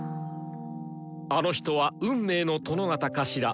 「あの人は運命の殿方かしら。